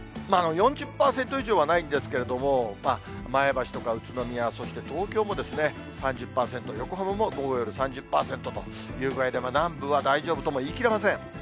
４０％以上はないんですけれども、前橋とか宇都宮、そして東京もですね、３０％、横浜も午後、夜３０％と、南部は大丈夫とも言い切れません。